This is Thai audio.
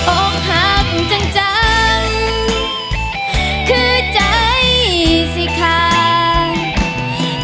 ออกหังจังจังคือใจเสียขาด